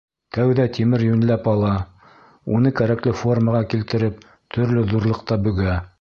Тәүҙә тимер йүнләп ала, уны кәрәкле формаға килтереп, төрлө ҙурлыҡта бөгә.